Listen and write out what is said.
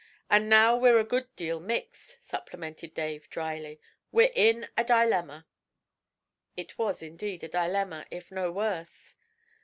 'And now we're a good deal mixed,' supplemented Dave dryly. 'We're in a dilemma!' It was indeed a dilemma, if no worse.